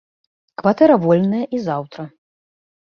Кватэра вольная і заўтра.